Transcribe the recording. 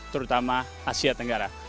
terutama asia tenggara